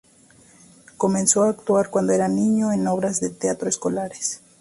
Comenzó a actuar cuando era un niño en obras de teatro escolares.